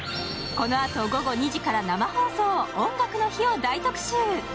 このあと午後２時から生放送「音楽の日」を大特集。